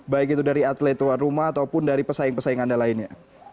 baik itu dari atlet tuan rumah ataupun dari pesaing pesaing anda lainnya